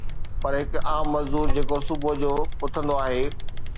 پر هڪ عام مزدور جيڪو صبح جو اٿندو آهي